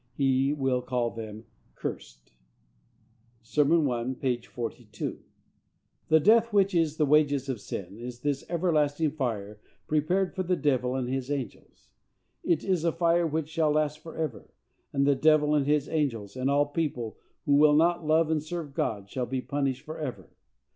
He will call them cursed. (Sermon 1, p. 42.) The death which is the wages of sin is this everlasting fire prepared for the devil and his angels. It is a fire which shall last forever; and the devil and his angels, and all people who will not love and serve God, shall there be punished forever.